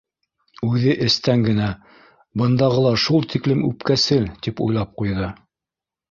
Үҙе эстән генә: «Бындағылар шул тиклем үпкәсел!» —тип уйлап ҡуйҙы.